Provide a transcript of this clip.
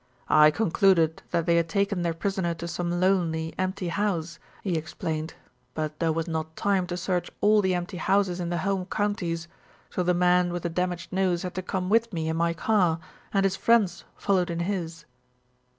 "I concluded that they had taken their prisoner to some lonely, empty house," he explained, "but there was not time to search all the empty houses in the home counties, so the man with the damaged nose had to come with me in my car, and his friends followed in his."